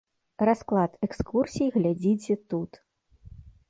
Расклад экскурсій глядзіце тут.